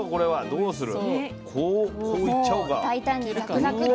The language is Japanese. どうする？